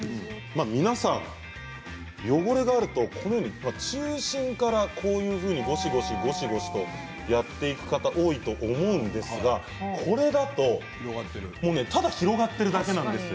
皆さん汚れがあるとこのように中心からゴシゴシとやっていく方多いと思うんですがこれだと、ただ広がっているだけなんですよ。